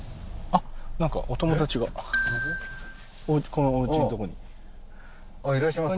このおうちのとこにあっいらっしゃいます